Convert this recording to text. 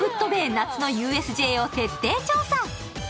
夏のＵＳＪを徹底調査。